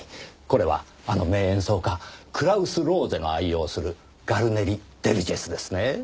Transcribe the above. これはあの名演奏家クラウス・ローゼの愛用するガルネリ・デル・ジェスですね？